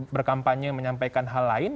berkampanye menyampaikan hal lain